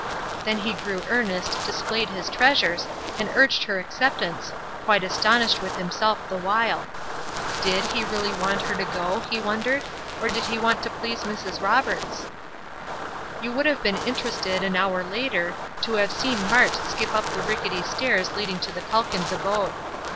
Then he grew earnest, displayed his treasures, and urged her acceptance quite astonished with himself the while. Did he really want her to go, he wondered, or did he want to please Mrs. Roberts? You would have been interested, an hour later, to have seen Mart skip up the rickety stairs leading to the Calkins abode.